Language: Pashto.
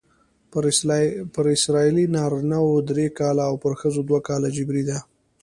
پر اسرائیلي نارینه وو درې کاله او پر ښځو دوه کاله جبری ده.